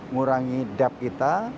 ngurangi debt kita